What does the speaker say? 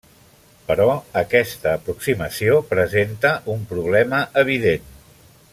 Però aquesta aproximació presenta un problema evident.